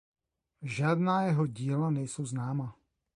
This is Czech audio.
Žádná jeho díla nejsou známa.